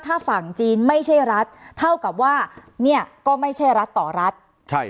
ถ้าฝั่งจีนไม่ใช่รัฐเท่ากับว่าเนี่ยก็ไม่ใช่รัฐต่อรัฐใช่